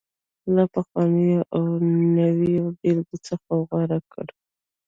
له پخوانيو او نویو بېلګو څخه غوره کړو